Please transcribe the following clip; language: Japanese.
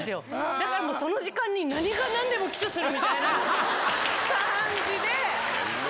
だからもう、その時間に何がなんでもキスするみたいな感じで。